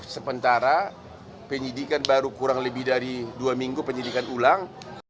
sementara penyidikan baru kurang lebih dari dua minggu penyidikan ulang